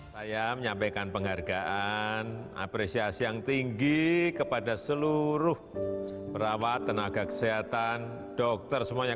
saya menyampaikan penghargaan apresiasi yang tinggi kepada seluruh perawat tenaga kesehatan dokter semuanya